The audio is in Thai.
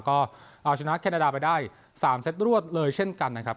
ก็เอาชนะแคนาดาไปได้๓เซตรวดเลยเช่นกันนะครับ